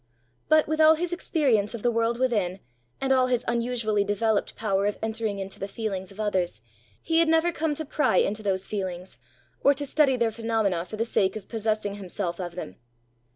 But, with all his experience of the world within, and all his unusually developed power of entering into the feelings of others, he had never come to pry into those feelings, or to study their phenomena for the sake of possessing himself of them.